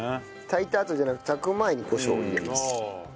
炊いたあとじゃなく炊く前にコショウを入れます。